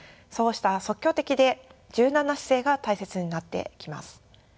そうした即興的で柔軟な姿勢が大切になってきます。